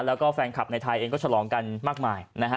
แล้วก็แฟนคลับในไทยเองก็ฉลองกันมากมายนะฮะ